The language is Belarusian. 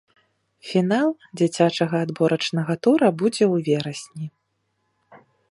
Фінал дзіцячага адборачнага тура будзе у верасні.